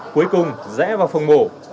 cuối cùng rẽ vào phòng mổ